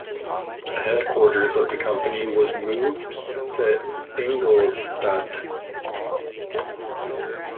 The headquarters of the company was moved to Ingolstadt.